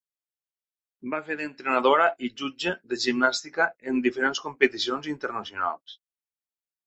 Va fer d'entrenadora i jutge de gimnàstica en diferents competicions internacionals.